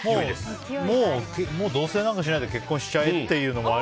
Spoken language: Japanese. もう、同棲なんかしないで結婚しちゃうっていうのも。